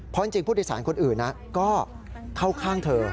เพราะจริงผู้โดยสารคนอื่นก็เข้าข้างเธอ